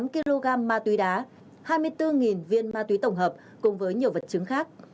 một mươi tám kg mặt túy đá hai mươi bốn viên mặt túy tổng hợp cùng với nhiều vật chứng khác